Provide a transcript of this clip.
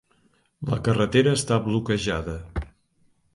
La carretera està bloquejada.